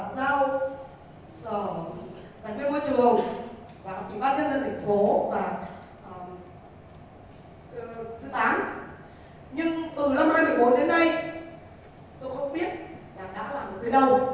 tại đây tôi không biết bạn đã làm được gì đâu